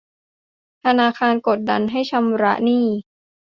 ธนาคารกดดันให้ชำระหนี้